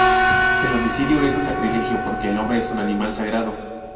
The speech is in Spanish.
El homicidio es un sacrilegio porque el hombre es un animal sagrado.